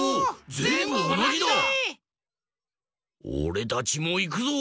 おれたちもいくぞ！